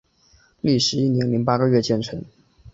历时一年零八个月建成。